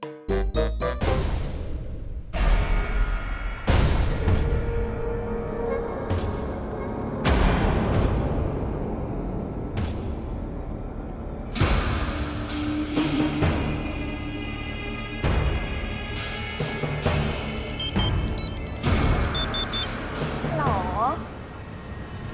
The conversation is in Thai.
ทุกคนเตรียมตัวนะครับ